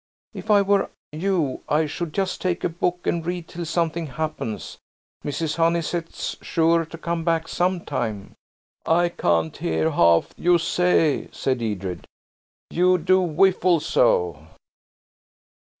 If I were you I should just take a book and read till something happens. Mrs. Honeysett's sure to come back some time." "I can't hear half you say," said Edred. "You do whiffle so."